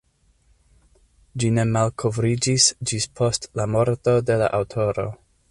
Ĝi ne malkovriĝis ĝis post la morto de la aŭtoro.